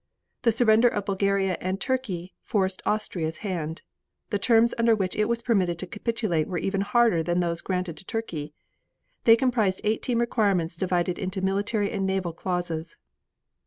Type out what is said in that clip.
The surrender of Bulgaria and Turkey forced Austria's hand. The terms under which it was permitted to capitulate were even harder than those granted to Turkey. They comprised eighteen requirements divided into military and naval clauses.